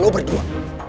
sama lo berdua